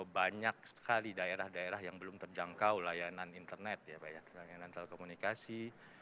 banyak sekali daerah daerah yang belum terjangkau layanan internet ya banyak layanan telekomunikasi